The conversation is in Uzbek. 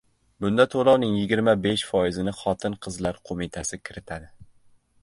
Bunda toʻlovning yigirma besh foizini Xotin-qizlar qoʻmitasi kiritadi.